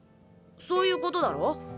そういうことだろ？